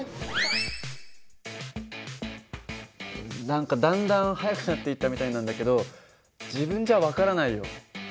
何かだんだん速くなっていったみたいなんだけど自分じゃ分からないよ。